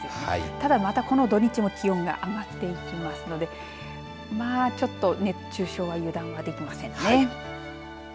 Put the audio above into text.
ただ、またこの土日も気温が上がっていきますので熱中症は油断ができませんね。